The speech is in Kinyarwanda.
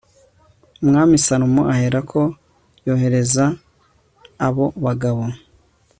umwami salomo aherako yohereza abobagabo